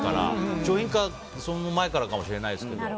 商品化その前からかもしれないですけど。